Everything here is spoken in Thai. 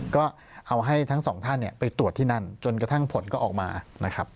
ก็เอาให้ทั้งสองท่านไปตรวจที่นั่นจนกระทั่งผลก็ออกมานะครับ